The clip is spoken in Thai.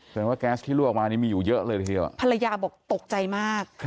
แสดงว่าแก๊สที่รัวออกมานี่มีอยู่เยอะเลยทีเดียวภรรยาบอกตกใจมาก